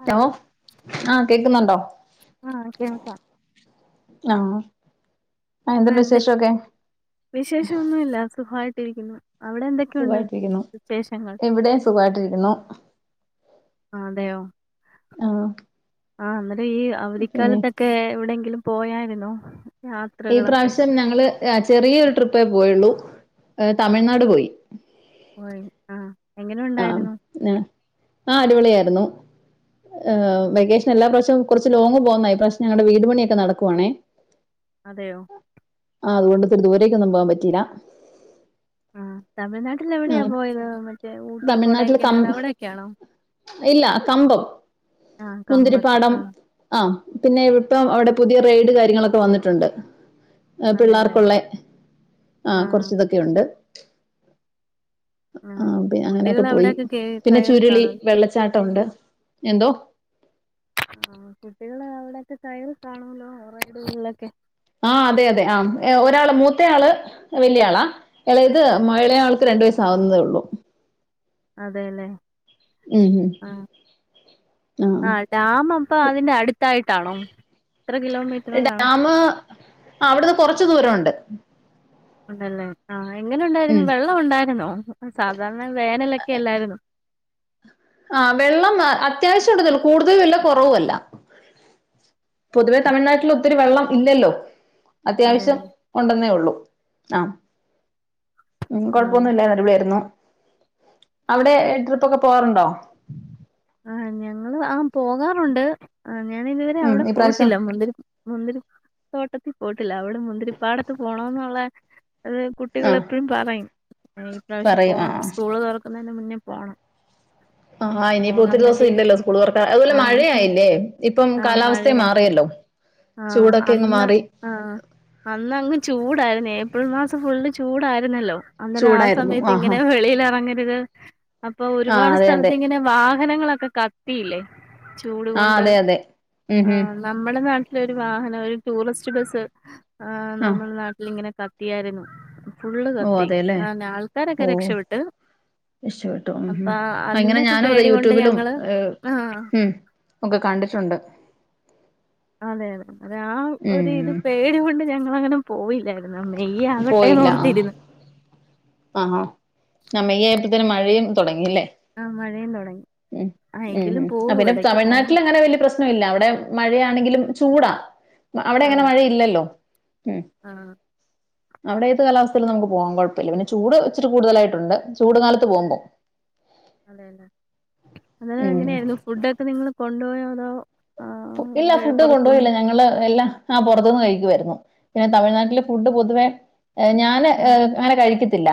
Hello ഓഹ് ആഹ് കേക്കുന്നുണ്ടോ? ആഹ് കേൾകാം. ആഹ്. എന്തുണ്ട് ആഹ് ണ്ട് വിശേഷമൊക്കെ വിഷേശോന്നുല്ല സുഖായിട്ടിരിക്കുന്നു അവടെ എന്ത് സുഖായിട്ടിരിക്കുന്നു ഇവിടേം സുഖായിട്ടിരിക്കുന്നു അതെയോ ഉം ആഹ് അന്നേരം ഈ അവധിക്കാലത്തെക്കെ എവിടെയെങ്കിലും പോയായിര്ന്നോ ഈ പ്രാവശ്യം ഞങ്ങള് ഏഹ് ചെറിയൊരു ട്രിപ്പേ പോയുള്ളൂഏഹ് തമിഴ്നാട് പോയി പോയി ആഹ് ആഹ് നെ ആഹ് അടിപൊളിയാര്ന്നു ഏഹ് വെക്കേഷൻ എല്ലാ പ്രാവശ്യം കൊറച്ച്ലോങ്ങ് പോവുന്നാ ഇപ്രവശ്യം ഞങ്ങടെ വീട് പണിയൊക്കെ നടക്കുവാണേ അതെയോ ആഹ് വീട്ത്തോണ്ട് ദൂരേയ്ക്കൊന്നും പോവാം പറ്റീലാ ആഹ് തമിഴ്നാട്ടില് എവിടെയാ ആഹ് പോയത് മ തമിഴ്നാട്ടില് കം ഇല്ല കമ്പം ആഹ് കമ്പത്ത് ആഹ് ആഹ് പിന്നെ ഇപ്പം അവിടെ പുതിയ റെയ്ഡ് കാര്യങ്ങളൊക്കെ വന്ന്ട്ടുണ്ട് ഏഹ് അതെല്ലേ പിള്ളാർക്കുള്ളെ ആ ആഹ് കൊർച്ച് ഇതൊക്കെയുണ്ട് ആ ആഹ് പിന്നെ കുട്ടികൾ അങ്ങനെയൊക്കെ പോയി അവിടെയൊക്കെ കേ പിന്നെ കയറി ചുരുളി കാണും വെള്ളച്ചാട്ട ഉണ്ട് എന്തോ ആഹ് കുട്ടികള് അവിടെക്കെ കയറി കാണുഒല്ലോ കൊറെ ഇത്പോലുള്ളഹ് ഒക്കെ ആഹ് അതെ അതെ ആഹ് ഏഹ് ഒരാള് മൂത്ത ആള് വല്ല്യ ആളാ എളേത് മ എളേ ആൾക്ക് രണ്ടു വയസ്സ് ആക്ന്നതെ ഒള്ളൂ അതെല്ലെ ഉം ഉം ആഹ് ഡാമപ്പ അതിന്റെ അട്ത്തായിട്ടാണോ എത്ര കിലോമീറ്ററ് കാണും ആഹ് അവ്ട്ന്ന് കൊറച്ച് ദൂര ഉണ്ട് ഉം ഉണ്ടല്ലേ ആഹ് എങ്ങനെ ഉണ്ടായിരുന്നു ഉം വെള്ളം ഉണ്ടായിരുന്നോ സാധാരണ വേനലെക്കെ എല്ലായ്ര്ന്നോ ആഹ് വെള്ളം അത്യാവശ്യം ഉണ്ട്ന്നെ ഒള്ളു കൂട്തലു അല്ല കൊറവു അല്ല. പൊതുവെ തമിഴ്നാട്ടിൽ ഒത്തിരി വെള്ളം ഇല്ലല്ലോ അതെ അത്യാവശ്യം അതെ ഒണ്ടെന്നേ ഒള്ളൂ ആഹ് ഉം ആഹ് കൊഴപ്പൊന്നു ഇല്ലാര്ന്ന് അടിപൊളി ആയ്രുന്നു അവിടെ ട്രിപ്പ് ഒക്കെ പോവാറ്ണ്ടോ ആഹ് ഞങ്ങള് ആഹ് പോകാറൊണ്ട് ആഹ് ഞാനിത് വരെ ഉം അവിടെ ഇപ്രാവശ്യം പോയിട്ടില്ല മുന്തിരി മുന്തിരി തോട്ടത്തി പോയിട്ടില്ല അവ്ടെ മുന്തിരിപ്പാടത്ത് പോണോന്നുള്ളെ ഇത്‌ ആഹ് കുട്ടികളെപ്പഴും പറയും ഇഞ്ഞി ഇ പ്രാവശ്യം പറയും പോണം ആഹ് സ്കൂള് തൊറക്കുന്നേന് മുന്നേ പോണം. ആഹ് ഹാ ഇനിയിപ്പൊ പോകാൻ ഒത്തിരി വേണ്ടി ദിവസം ഇല്ലല്ലോ ഇരിക്കുവാ സ്കൂള് തെർക്കാ അതുവല്ല ആഹ് മഴയായില്ലേ ഇപ്പം ആഹ് കാലാവസ് ഥേം മഴയാ മാറിയല്ലോ ചൂടക്കെ അങ് മാറി. ആഹ് അന്ന് അങ്ങ് ചൂടായിര്ന്ന് ഏപ്രിൽ മാസം ഫുള്ള് ചൂടാര്ന്നല്ലോ അന്നേര ആ ചൂടായിരുന്നു സമയത്ത് ആഹാ ഇങ്ങനെ വെളിയിൽ എറങ്ങരുത് അപ്പൊ ആഹ് ഒരുപാട് അതെ അതെ സ്ഥലത്ത് ഇങ്ങനെ വാ ഹനങ്ങളൊക്കെ കത്തിയില്ലേ ആഹ് അതെ അതെ ഉം ഉം നമ്മളെ നാട്ട്ലൊരു വാഹനം ഒരു ടൂറിസ്റ്റ് ബസ്സ് ആഹ് നമ്മ്ടെ നാട്ട്ലിങ്ങനെ ക ത്തിയാര്ന്നു ഫുള്ള് ഓഹ് കത്തി അതെല്ലേ അനെ ആൾക്കാരൊക്കെ രക്ഷപെട്ട്. രക്ഷപ്പെട്ടു ഉം ഹും അഹ് ഇങ്ങനെ ഞാനും അതെ പേടി കൊണ്ട് യൂട്യൂബിലും ഞങ്ങള് എഹ് ആഹ് ഉം ഒക്കെ കണ്ടിട്ടുണ്ട്. അതെ അതെ അതെ ആ ഒരു ഉം ഇത് പേടി കൊണ്ട് ഞങ്ങളങ്ങനം പോയില്ലായിര്ന്ന് മെയ്യ് ആകട്ടെന്നോർത്തിര്ന്ന്. ആ ഹ നമെ യേറ്റപ്പോഴേത്തിന്നെ മഴയും തുടങ്ങില്ലേ ആഹ് മഴയും തുടങ്ങി ഉം ആഹ് ഉം എങ്കിലും ഉം അ പോകും പിന്നെ ഇടക്ക് പോവും തിഴ്നാട്ടിൽ അങ്ങനെ വലിയ പ്രശ് നം ഇല്ല അവിടെ മഴയാണെങ്കിലും ചൂടാ അവിടെ അങ്ങനെ അതെ മഴ ഇല്ലല്ലോ ഉ ആഹ് അവിടെ ഏത് കാലാവസ്ഥയിലും നമുക്ക് പോവാൻ കുഴപ്പമില്ല പിന്നെ ചൂട് ഇച്ചിരി കൂടുതലായിട്ടുണ്ട് ചൂട് കാലത്ത് പോകുമ്പോൾ. അതെല്ലെ അങ്ങെനെ ഉം എങ്ങനെയായിരുന്നു ഫുഡ് ഒക്കെ നിങ്ങൾ കൊണ്ടുപോയോ അതോ ഇല്ല ആഹ് ഫുഡ് പുറത്തുന്ന് കൊണ്ടുപോയില്ല ഞങ്ങള് എല്ലാം ആഹ പുറത്ത്ന്ന് കഴിക്കുവായിരുന്നു പിന്നെ തമിഴ്നാട്ടിലെ ഫുഡ് പൊതുവേ ഞാന് ഏ ആഹ് അങ്ങനെ കഴിക്കത്തില്ല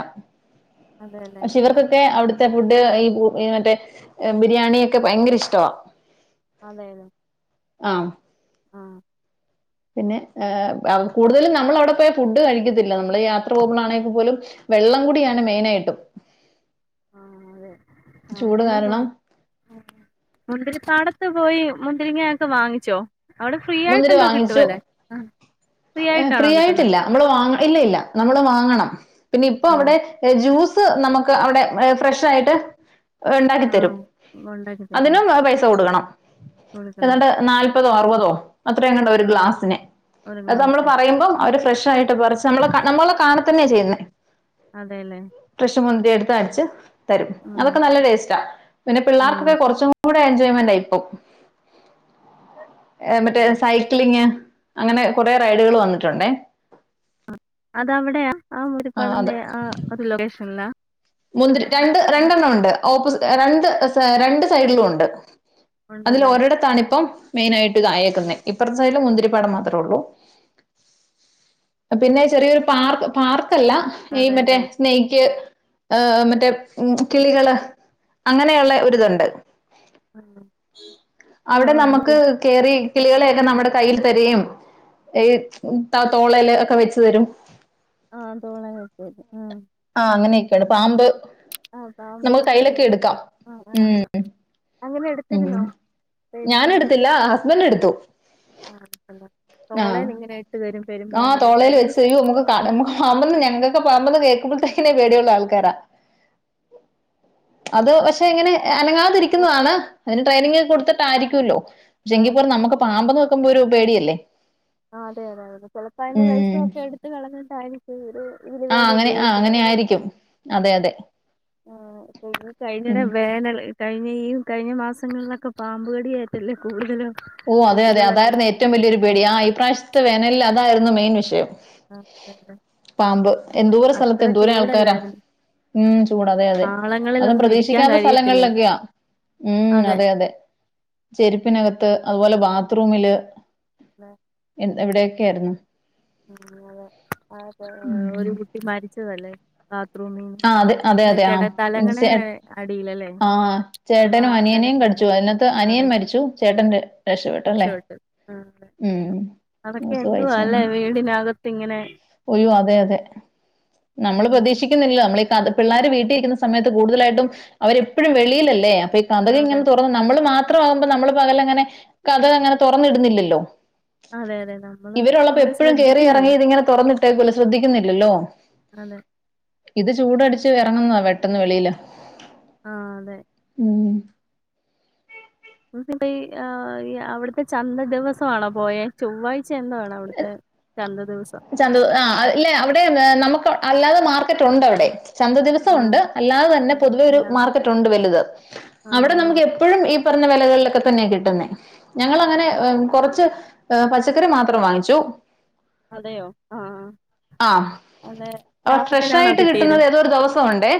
അതെല്ലേ പക്ഷെ ഇവർക്കൊക്കെ അവിടു ത്തെ ഫുഡ് ഈ മറ്റേ ബിരിയാണിയൊക്കെ ഭയങ്കര ഇഷ്ടവാ അതെയ അതെ ആം ആഹ് പിന്നെ കൂടുതലും നമ്മള് അവിടെ പോയ ഫുഡ് കഴിക്കത്തില്ല നമ്മള് യാത്ര പോകുമ്പോഴാണെങ്കിൽ പോലും വെള്ളം കുടിയാണ് മെയിനായിട്ടും ആഹ് അതെ ആഹ് ചൂട് പിന്നെ കാരണം പോക മുന്തിരി പാടത്ത് പോയി മുന്തിരിങ്ങ ഒക്കെ വാങ്ങിച്ചോ അവിടെ ഫ്രീ ആയിട്ട് മുന്തിരി എന്തോ കിട്ടുവ വാങ്ങിച്ചു ല്ലെ ആ ഫ്രീ ആയിട്ടില്ല നമ്മള് വാങ്ങണം ഇല്ല ഇല്ല നമ്മള് വാങ്ങണം പിന്നെ ഇപ്പൊ ആഹ് അവിടെ ജ്യൂസ് നമ്മക്ക് അവിടെ ഫ്രഷ് ആയിട്ട് ഉണ്ടാക്കിത്തരും ആഹ് ഉണ്ടാക്കി തരുവ അതിനും പൈസ കൊടുക്കണം കൊടുക്കണം ഏതാണ്ട് നാല്പതോ അറുപതോ അത്ര എങ്ങാണ്ടാ ഒരു ആഹ് ഗ്ലാസിന് ഒരു അത് നമ്മൾ പറ ഗ്ലാസ് പറയുമ്പ അവര് ഫ്രഷ ആയിട്ട് പറിച്ച് നമ്മ നമ്മളെണ കാണ തന്നെയാ ചെയ്യുന്നേ. അതെല്ലേ. ഫ്രഷ് മുന്തിരി എടുത്ത് അടിച്ച് തരും ആഹ് അതൊക്കെ നല്ല ടേസ്റ്റാ പിന്നെ പിള്ളേർക്കൊക്കെ ആഹ് കുറച്ചും കൂടെ എൻജോയ്മെന്റ ഇപ്പം അതെ സൈക്ലിങ് അങ്ങനെ കുറെ റൈഡുകൾ വന്നിട്ടുണ്ടേ അതെവിടെയാ അ ഒരു ആ അതെ കൊളന്തെ ആ ഏത് ലൊക്കേഷനിലാ മുന്തിരി രണ്ട് രണ്ടെണ്ണം ഉണ്ട് ഓപ്പോസി രണ്ട് രണ്ട് സൈഡിലും ഉണ്ട് അതിൽ ഉണ്ടല്ലേ ഒരിടത്താണ് ഇപ്പം മെയിൻ ആയിട്ട് ഇതായേക്കുന്നത് ഇപ്പറത്തെസൈഡില് മുന്തിരിപ്പാടം മാത്രേ ഉള്ളൂ പിന്നെ ചെറിയൊരു പാർക്ക് പാർക്കല്ല ഈ മറ്റേ അതെല്ലേ സ്നേക്ക് മറ്റേ ഉ കിളികള് അങ്ങനെയുള്ള ഒരിതുണ്ട് ആ ആ അവിടെ നമ്മക്ക് അല്ല കേറി കിളികളെയൊക്കെ നമ്മടെ കയ്യിൽ തരികയും ഏ തോളേൽ ഒക്കെ വെച്ചു തരും ആഹ് തോളേല് വെച്ച് തരും അ ആഹ് അങ്ങനെയൊക്കെയാണ് പാമ്പ് ആഹ് നമുക്ക് പാമ്പിനെ കയ്യിലൊക്കെ എടുക്കാം തോളേല്ആഹ് ആഹ് ഉം ഞാനെടുത്തില്ല ഹസ്ബൻഡ് എടുത്തു ആഹ് തോളേൽ ഇങ്ങനെ ഇട്ട് തരും പെരുമ്പാമ്പിനെ ആഹ്തോളേൽ കഴിഞ്ഞ ദിവസം വെച്ച്തെരും നമ്മക്ക് കാണാൻ ഞങ്ങൾക്കെ പാമ്പ് ന്ന് കേൾക്കുമ്പോത്തന്നെ പേടിയുള്ള ആൾക്കാരാ അത് പഷ് പക്ഷെ എങ്ങനെ അനങ്ങാതിരിക്കുന്നതാണ് അതിന് ട്രെയിനിങ് കൊടുത്തിട്ടായിരിക്കല്ലോ ആ പക്ഷെങ്കി പോലും എനിക്ക് നമ്മക്ക് പാമ്പ് ന്ന് കേക്കുമ്പോ ഒരു പേടിയല്ലേ ആഹ് അതെ അതെ അതെ ചെലപ്പോ അതിന്റെ ഉം. വേഷമൊക്കെ എടുത്ത് കളഞ്ഞിട്ടായിരിക്കും ഇവര് ഇതിന് വേണ്ടി ഉപയോഗിച്ചത് രിക്കും അതെ അതെ ആഹ് [unintelligible] കഴിഞ്ഞടെ ഉം. വേനൽ കഴിഞ്ഞ ഈ കഴിഞ്ഞ മാസങ്ങളിലൊക്കെ പാമ്പ് കടിയേറ്റല്ലേ കൂടുതലും ഓ അതെ അതെ കുട്ടികളൊക്കെ അതായിരുന്നു ഏറ്റവും വലിയൊരു പേടി ഈ പ്രാവശ്യത്തെ വേനനിൽ അതായിരുന്നു മെയിൻ വിഷയം [unintelligible] പാമ്പ് എന്തോരം അത്ര സ്ഥലത്ത് എന്തോരം ആൾക്കാരാ ചൂടല്ലായിരുന്നു ഉം ചൂട് അതെ അതെ അതും പാളങ്ങളിലൊന്നും ഇരിക്കാൻ പ്രതീക്ഷിക്കാത്ത കഴിയത്തില്ലല്ലോ സ്ഥലങ്ങളിലൊക്കെയാ ഉം അതെ അതെ ചെരുപ്പിനകത്ത് അതുപോലെ ബാത്ത്റൂമില് എ എവിടെയൊക്കെ ആയിരുന്നു അതെ അതെ ഒരു കുട്ടി മരിച്ചതല്ലേ ബാത്റൂമീന്ന് ആഹ് അതെ അതെ അതെ അല്ല തലങ്ങണേടെ ആഹ്. അടിയിലല്ലേ വാർത്തെലൊക്കെ ച്ചു അതിനകത്ത് അനിയൻ മരിച്ചു ചേട്ടൻ രക്ഷപ്പെട്ടല്ലേ രക്ഷപെട്ട് അതെ ഉം അതൊക്കെ ന്യൂസ് എന്തുവാ അല്ലെ വായിച്ചായിരുന്നു ഒയ്യോ അതെ അതെ നമ്മള് ഉം പ്രതീക്ഷിക് ക്കുന്നില്ലല്ലോ നമ്മൾ പിള്ളേര് വീട്ടിലിരിക്കുന്ന സമയത്ത് കൂടുതലായിട്ടും അവരെപ്പോഴും വെിളിയിലല്ലേ അപ്പൊ കതക് അതെ ഇങ്ങനെ തുറന്ന് നമ്മള് മാത്രമാകുമ്പോ നമ്മൾ പകല അങ്ങനെ കതക് അങ്ങനെ തുറന്നിടുന്നില്ലല്ലോ അതെ അതെ നമ്മള് അങ്ങനെ ശ്രദ്ധിക്കുന്നില്ല ഇങ്ങനെ തുറന്നി ട്ടേക്കൂല്ല ശ്രദ്ധിക്കുന്നില്ലല്ലോ അതെ ഇത് ചൂടടിച്ച് ഇറങ്ങുന്നതാ പെട്ടെന്ന് വെളിയില് ആഹ് അതെ ഉം [unintelligible] ആഹ് അവിടുത്തെ ചന്ത ദിവസമാണോ പോയേ ചൊവ്വാഴ്ച എന്തോണവിടുത്തെ ചന്ത ദിവസം ചന്ത ആഹ് അല്ലേ അവിടെ നമുക്ക് അല്ലാതെ മാർക്കറ്റ് ഉണ്ട് അവിടെ ചന്ത ദിവസം ആ ഉണ്ട് അല്ലാതെ തന്നെ പൊതുവെ ഒരു അല്ലാതെ മാർക്കറ്റ് ഉണ്ട് വലുത് ആ അവിടെ ആ നമുക്ക് എപ് പ്പഴും ഈ പറഞ്ഞ വിലകളിലൊക്കെ തന്നെയാ കിട്ടുന്നേ ഞങ്ങൾ അങ്ങനെ കൊറച്ച് പച്ചക്കറി മാത്രം വാങ്ങിച്ചു അതെയോ ആഹ് അതെ ആഹ് ലാഭത്തിനാണോ ഫ്രഷായിട്ട് കിട്ടിയത് കിട്ടുന്നത് ഏതോരു ദിവസം ഒണ്ടേ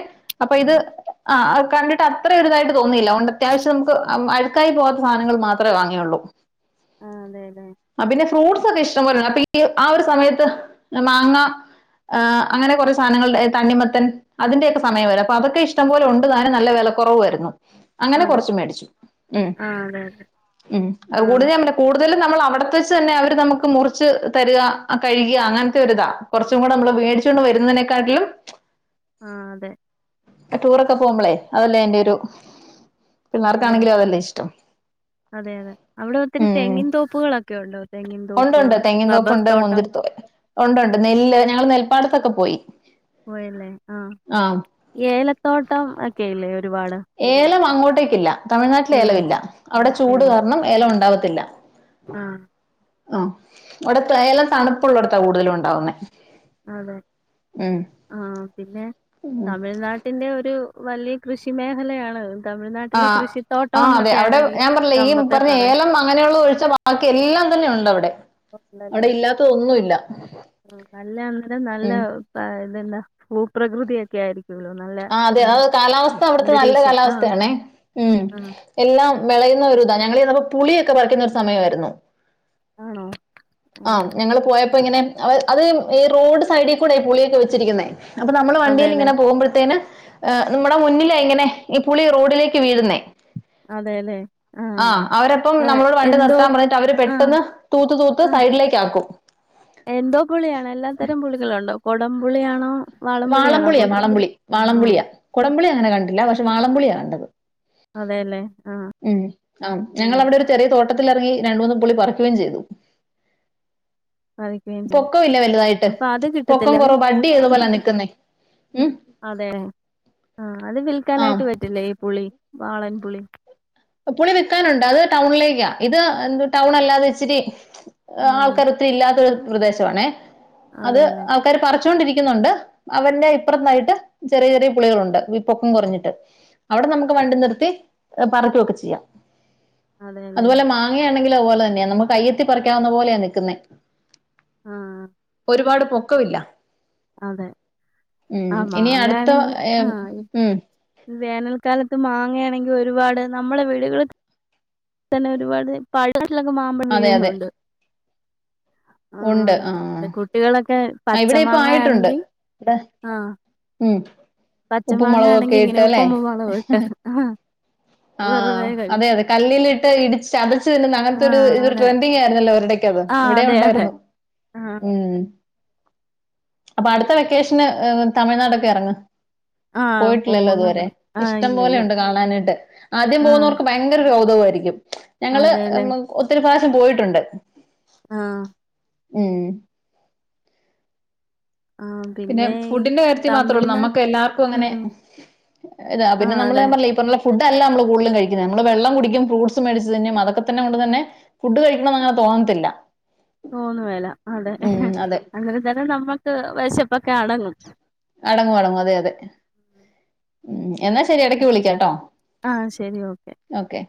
അപ്പൊ ഇത് ആഹ് ആഹ് കണ്ടിട്ട് അത്ര ഒരുതായിട്ട് തോന്നിയില്ല തൊണ്ട് അത്യാവശ്യം നമുക്ക് അഴുക്കായി പോവാത്ത സാധനങ്ങൾ മാത്രമേ വാങ്ങിയുള്ളൂ ആഹ് അതെ അതെ ആഹ് പിന്നെ ഫ്രൂട്ട്സ് ഒക്കെ ഇഷ്ടംപലെയാണ് അപ്പൊ ഈ ആ ഒരു സമയത്ത് മാങ്ങ ആഹ് അങ്ങനെ കുറെ സാധനങ്ങൾ തണ്ണിമത്തൻ അതിന്റെ ഒക്കെ സമയാരും അപ്പൊ അതൊക്കെ ഇഷ്ടംപോലെ ഉണ്ട് താനും നല്ല വെല കുറവുമായിരുന്നു അങ്ങനെ അതെ കുറച്ച് മേടിച്ചു ഉം ആഹ് അതെ അതെ ഉം അത് ആഹ് കൂടുതലും നമ്മള് കൂടുതലും നമ്മള് അവി പുറത്ത് വെച്ച് തന്നെ അവര് നമുക്ക് മുറിച്ച് തരിക കഴുക അങ്ങനത്തെ ഒരുരിതാ കുറച്ചും കൂടെ നമ്മൾ വേടി ച്ചോണ്ട് വരുന്നതിനെക്കാട്ടിലും ആഹ് അതെ ടൂറൊക്കെ പോകുമ്പോളേ അതല്ലേ അന്റെ ഒരു അതെ പിള്ളേർക്കാണെങ്കിലും അതെ അതല്ലേ ഇഷ്ടം. അതെ അതെ അവിടെ ഒത്തിരി തെങ്ങിൻ തോപ്പുകളൊക്കെ ഉണ്ടോ തെങ്ങിൻ തോപ്പ് ഉണ്ട്ണ്ട് തെങ്ങിൻ റബ്ബർ തോപ്പുണ്ട് തോട്ടം മുന്തിരിത്തോപ്പ് ഉണ്ട് ഉണ്ട് നെല്ല് ഞങ്ങള് നെൽപ്പാടത്തൊക്കെ പോയി പോയില്ലേ ആഹ് ഏലത്തോട്ടം ഒക്കെ ഇല്ലേ ഒരുപാട് ഏലം അങ്ങോട്ടേക്കില്ല തമിഴ്നാട്ടില് ഇല്ല ഏലമില്ല അവിടെ ചൂട് ഇല്ല കാരണം ഏലം ഉണ്ടാാവത്തില്ല ആഹ് ആഹ് അവിടെ ഏലം തണുപ്പള്ളിടത്താ കൂടുതലും ഉണ്ടാവുന്നേ അതെ ആഹ് പിന്നെ തമിഴ്നാട്ടിൽ ട്ടിന്റെ ഒരു വലിയ കൃഷി മേഖലയാണത് ആഹ് ആഹ് അതെ അവിടെ ഈ ഞാൻ പറഞ്ഞില്ലേ ഈ കമ്പത്തെ പറഞ്ഞ പറയ ഏലം അങ്ങനെയുള്ള ഒഴിച്ച് ബാക്കി എല്ലാം തന്നെ ഉണ്ട് അവിടെ ഉണ്ടല്ലേ അവിടെ ഇല്ലാത്തതൊന്നുമില്ല ല്ല നല്ല നല്ല ഉം ആഹ് ഇതന്നാ ഭൂപ്രകൃതിയൊക്കെ ആയിരിക്കും ആഹ് അതെ അതെ കാലാവസ്ഥ അവിടുത്തെ നല്ല അന്തരീക്ഷം ആഹ് കാലാവസ്ഥയാണേ ഉം ആഹ് എല്ലാം വിളയുന്ന ഒരു ഇതാ ഞങ്ങൾപ്പോ പുളിയൊക്കെ പറിക്കുന്ന സമയമായിരുന്നു ആണോ ആഹ് ഞങ്ങള് പോയപ്പോ ഇങ്ങനെ അത് ഈ റോഡ് സൈഡിൽ കൂടൊയി പുളിയൊക്കെ വെച്ചിരിക്കുന്നേ അപ്പൊ നമ്മള് വണ്ടിയിൽ അതെല്ലേ ഇങ്ങനെ പോകുമ്പോഴത്തേന് നമ്മുടെ മുന്നിലേ ഇങ്ങനെ ഈ പുളി റോഡിലേക്ക് വീഴുന്നേ ആഹ് അവരെപ്പം ആഹ് നമ്മളോട് വണ്ടി എന്തോ നിർത്താൻ പറഞ്ഞിട്ട് അവര് ആഹ് പെട്ടെന്ന് തൂത്ത് തൂത്ത് ആഹ് സൈഡിലേക്ക് ആക്കും എന്തോ പുളിയണോ എല്ലാത്തരം പുളികളുണ്ടോ കുടംപുളിയണോ വാളംപുളിയ വളം പുളി വളപുളിയാടമ്പുളി അങ്ങനെ കണ്ടില്ല പക്ഷെ വാളംപുളിയാ കണ്ടത് അതെ അതെ ആഹ് ഉം ആഹ് ഞങ്ങള് അവിടെ ഒരു ചെറിയ തോട്ടത്തി ഇറങ്ങി രണ്ട് മൂന്നും പുുളി പറിക്കുകയും ചെയ്തു പറിക്കുകയും ചെയ്യും പൊക്കം ഇല്ല വലുതായിട്ട് അപ്പൊ അത് പൊക്കം കിട്ടത്തില്ല അത് കൊറവ് വഡി ഉം ഏതുപോലെ അതെ ആഹ് അത് ആ വിൽക്കാനായിട്ട് വ റ്റില്ലേ പുളി വാളൻപുളി പുളി വിൽക്കാനുണ്ട് അത് ടൗണിലേക്കാ ഇത് എന്ത് ടൗൺ അല്ലാതെ ഇച്ചിരി ആഹ് ആൾക്കാർ ഒത്തിരി ഇല്ലാത്ത പ്രദേശമാണ് അത് അതെല്ലേ ആൾക്കാര് പറിച്ചുകൊണ്ടിരിക്കുന്നുണ്ട് അതിന്റെ ഇപ്പുറത്തായിട്ട് ചെറിയ ചെറിയ പുളികളുണ്ട് പൊക്കം കുറഞ്ഞിട്ട് അവിടെ നമുക്ക് വണ്ടി നിർത്തി പറക്കുവൊക്കെ ചെയ്യാം അതെല്ലേ അതുപോലെ മാ അങ്ങെയാണെങ്കിൽ അതുപോലെ തന്നെ നമ്മുക്ക് കയ്യത്തി പറിക്കാവുന്ന പോലാ നിൽക്കേ ആഹ് ഒരുപാട് പൊക്കമില്ല അതെ ഉം ആ ഇനി അടുത്ത മാങ്ങയാണെങ്കി ഏ ആ ഉം വേനൽക്കാലത്ത് മാങ്ങയാണെങ്കിൽ ഒരുപാട് നമ്മളെ വീടുകൾ തന്നെ ഒരുപാട് പഴാട്ടിലൊക്കെ മാമ്പഴ അതെ അതെ വീഴുന്നുണ്ട് ആഹ് പിന്നെ കുട്ടികളൊക്കെ പച്ച ഇവിടെ ഇപ്പൊ ആയിട്ടുണ്ട് മാങ്ങയാണെങ്കിൽ ഇവിടെ ആഹ് ഉം പച്ച ഉപ്പും മാങ്ങ ആണെങ്കി മുളകൊക്കെ ഇങ്ങനെ ഇട്ട് അല്ലെ ഉപ്പും മൂളകും ഇട്ട് ആഹ് വെറുതെ കഴി അതെ അതെ കല്ലിലിട്ട് ഇടിച്ച് ചതച്ചുതിന്ന് ആ അങ്ങനത്തെ ഒരു ഇരു അതെ ട്രെൻഡിങ് ആയിരുന്നല്ലോ ഒരിടേക്ക് അത് ആ ഇവിടെ അതെ അതെ ഉണ്ടായിരുന്നു ആ ഉം അപ്പൊ അടുത്ത വെക്കേഷന് തമിഴ്നാടൊക്കെ ഇറങ്ങ് ആ പോയിട്ടില്ലല്ലോ ഇതുവരെ പോകുന്നുണ്ട് ആ ഇഷ്ടം ഇല്ലില്ല പോലെുണ്ട് കാണാനായിട്ട് ആദ്യം ആ പോകുന്നവർക്ക് ഭയങ്കരൊരു കൗതുകമായിരിക്കും ഞങ്ങള് അതെല്ലേ ഒത്തിരി പ്രാവശ്യം പോയിട്ടുണ്ട് ആഹ് ഉം ആ പിന്നെ ഈ ഫുഡിന്റെ കാര്യത്തിൽ മാത്രേ ഉള്ളൂ തമിഴ്നാട് നമ്മുക്ക് എല്ലാർക്കും ഉം അങ്ങനെ എന്നാ ആ പിന്നെ നമ്മള് അതെ ഞാൻ പറഞ്ഞില്ലേ ഈ പറ [unintelligible] ഫുഡല്ല നമ്മള് കൂടലും കഴിക്കുന്നെ നമ്മള് വെള്ളം കുടിക്കും ഫ്രൂഡ്സ് മേടിച്ച് തിന്നും അതൊക്കെതന്നെ കൊണ്ട് തന്നെ ഫുഡ് കഴിക്കണന്ന് അങ്ങനെ തോന്നത്തില്ലാ തോന്നു വേലാ അതെ അതെ. അന്നേരം നമ്മക്ക് വെശപ്പൊക്കെ അടങ്ങും അടങ്ങും അടങ്ങും അതെ അതെ ഉം എന്നാ ശരി എടക്ക് വിളിക്കാട്ടോ ആഹ് ശരി ഓക്കെ